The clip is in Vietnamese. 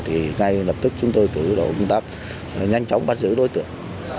thì ngay lập tức chúng tôi tự đổ công tác nhanh chóng bắt giữ đối tượng